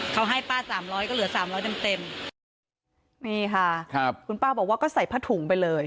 เขาให้ป้าสามร้อยก็เหลือสามร้อยเต็มเต็มนี่ค่ะครับคุณป้าบอกว่าก็ใส่ผ้าถุงไปเลย